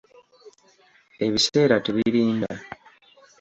Ebiseera tebirinda.